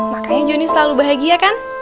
makanya joni selalu bahagia kan